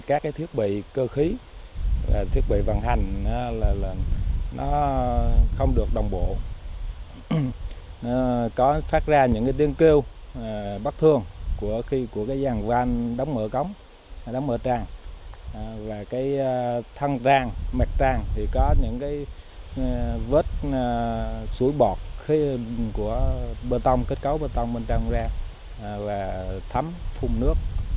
kết cấu bơm keo bên trong ra và thấm phun nước